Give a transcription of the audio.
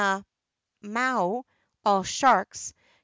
mano (all sharks).